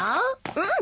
うん。